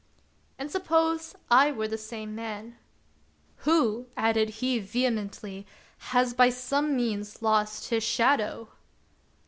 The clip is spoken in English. " And suppose I were the same man ?" "Who," added he vehemently, "has by some means lost his shadow!"